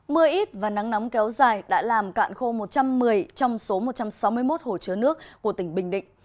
mưa ít và nắng nóng kéo dài đã làm cạn khô một trăm một mươi trong số một trăm sáu mươi một hồ chứa nước của tỉnh bình định